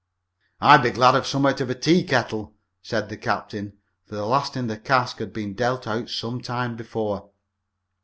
"I'd be glad of some out of a tea kettle," said the captain, for the last in the cask had been dealt out some time before.